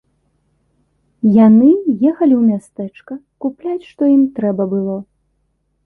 Яны ехалі ў мястэчка купляць што ім трэба было.